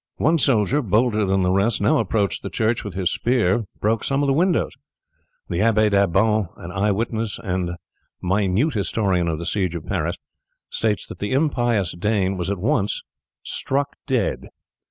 One soldier, bolder than the rest, now approached the church and with his spear broke some of the windows. The Abbe D'Abbon, an eye witness and minute historian of the siege of Paris, states that the impious Dane was at once struck dead.